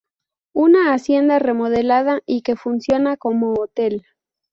Una hacienda remodelada y que funciona como hotel.